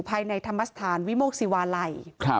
ภายในธรรมสถานวิโมกศิวาลัย